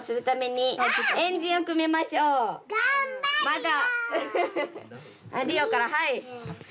まだ。